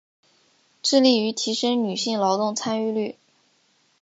致力於提升女性劳动参与率